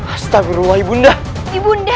astagfirullah ibunda ibunda